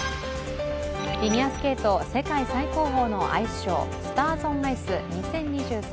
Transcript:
フィギュアスケート世界最高峰のアイスショー「スターズ・オン・アイス２０２３